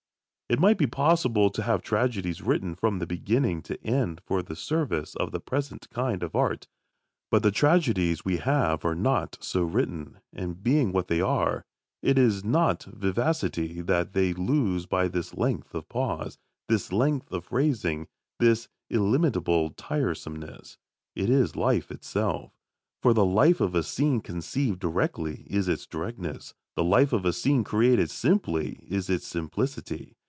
It might be possible to have tragedies written from beginning to end for the service of the present kind of "art." But the tragedies we have are not so written. And being what they are, it is not vivacity that they lose by this length of pause, this length of phrasing, this illimitable tiresomeness; it is life itself. For the life of a scene conceived directly is its directness; the life of a scene created simply is its simplicity.